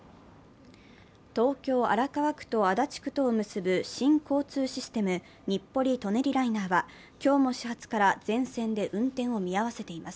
東京・荒川区と足立区とを結ぶ新交通システム日暮里・舎人ライナーは、今日も始発から全線で運転を見合わせています。